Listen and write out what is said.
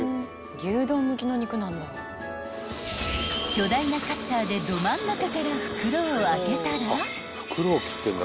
［巨大なカッターでど真ん中から袋を開けたら］